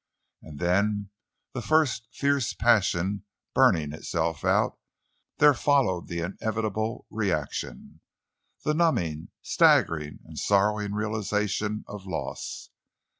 And then, the first fierce passion burning itself out, there followed the inevitable reaction—the numbing, staggering, sorrowing realization of loss.